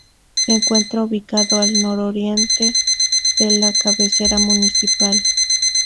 Se encuentra ubicado al nororiente de la cabecera municipal.